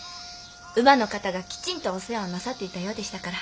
乳母の方がきちんとお世話をなさっていたようでしたから。